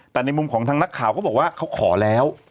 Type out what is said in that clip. แต่ในมุมของทางนักข่าวเขาบอกว่าเขาขอแล้ว